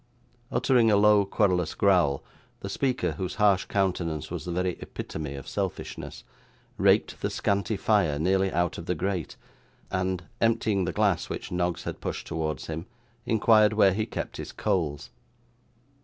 Uttering a low querulous growl, the speaker, whose harsh countenance was the very epitome of selfishness, raked the scanty fire nearly out of the grate, and, emptying the glass which Noggs had pushed towards him, inquired where he kept his coals.